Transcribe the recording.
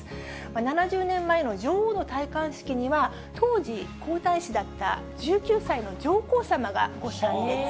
７０年前の女王の戴冠式には当時、皇太子だった、１９歳の上皇さまがご参列。